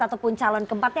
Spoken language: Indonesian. ataupun calon keempatnya